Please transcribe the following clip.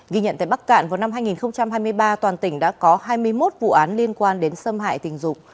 ghi nhận tại bắc cạn vào năm hai nghìn hai mươi ba toàn tỉnh đã có hai mươi một vụ án liên quan đến xâm hại tình dục